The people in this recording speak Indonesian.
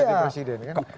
ganti presiden kan